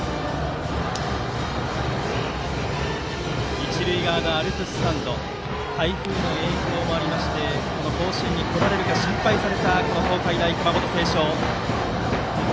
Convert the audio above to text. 一塁側のアルプススタンド台風の影響もありまして甲子園に来られるか心配された東海大熊本星翔。